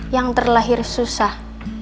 yang terlahir susah